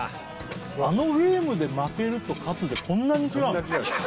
あのゲームで負けると勝つでこんなに違うの？